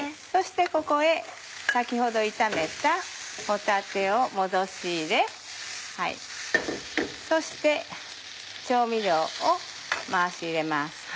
そしてここへ先ほど炒めた帆立を戻し入れそして調味料を回し入れます。